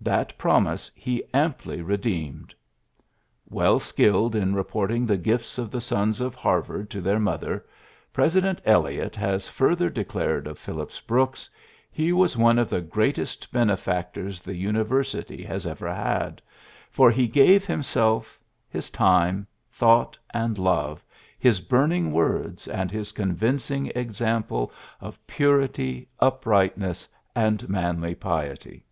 That promise he amply re PHILLIPS BKOOKS 77 deemed." Well skilled in reporting the gifts of the sons of Harvard to their mother, President Eliot has further de clared of Phillips Brooks: ^^He was one of the greatest benefactors the univer sity has ever had ; for he gave himself, his time, thought, and love, his burn ing words, and his convincing example of purity, uprightness, and manly piety."